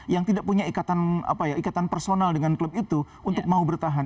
yang tidak punya ikatan personal dengan klub itu untuk mau bertahan